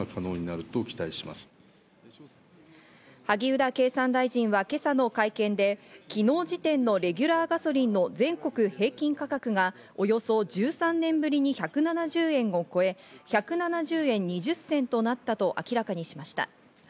萩生田経産大臣は今朝の会見で、昨日時点のレギュラーガソリンの全国平均価格がおよそ１３年ぶりに１７０円を超え、１７０円２０銭となったと明らかにしました。